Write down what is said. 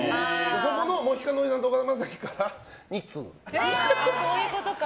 そこのモヒカンのおじさんと岡田将生から２通。